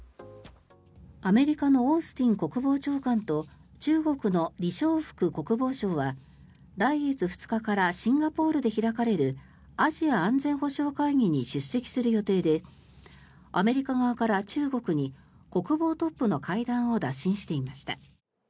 アメリカのオースティン国防長官と中国のリ・ショウフク国防相は来月２日からシンガポールで開かれるアジア安全保障会議に出席する予定でアメリカ側から中国に国防トップの会談を打診していました。